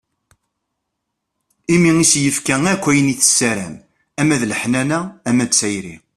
Imi i s-yefka akk ayen i tessaram ama d leḥnana, ama d tayri.